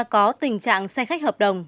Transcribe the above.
có tình trạng xe khách hợp đồng